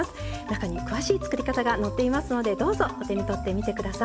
中に詳しい作り方が載っていますのでどうぞお手に取って見て下さい。